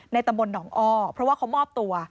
ตำบลหนองอ้อเพราะว่าเขามอบตัว